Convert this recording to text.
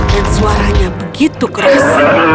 dan suaranya begitu keras